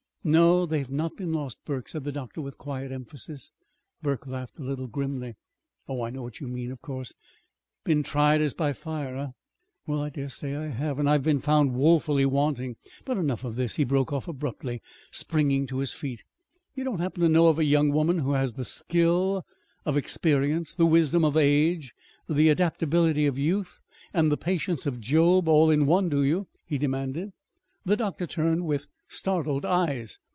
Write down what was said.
"No, they've not been lost, Burke," said the doctor, with quiet emphasis. Burke laughed a little grimly. "Oh, I know what you mean, of course. I've been 'tried as by fire' eh? Well, I dare say I have and I've been found woefully wanting. But enough of this!" he broke off abruptly, springing to his feet. "You don't happen to know of a young woman who has the skill of experience, the wisdom of age, the adaptability of youth, and the patience of Job all in one, do you?" he demanded. The doctor turned with startled eyes.